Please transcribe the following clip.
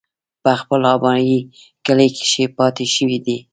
پۀ خپل ابائي کلي کښې پاتې شوے دے ۔